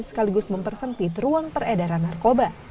sekaligus mempersempit ruang peredaran narkoba